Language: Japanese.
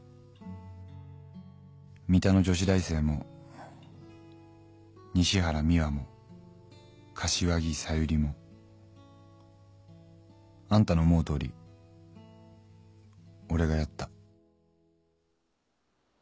三田の女子大生も西原美羽も柏木小百合もあんたの思うとおり俺がやった」